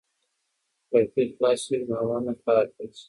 که کړکۍ خلاصې وي نو هوا نه خرابېږي.